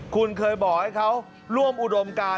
คุณเคยบอกให้เขาร่วมอุดมการ